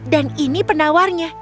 dan ini penawarnya